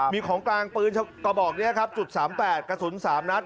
มีของกลางปืนกระบอกนี้ครับจุด๓๘กระสุน๓นัด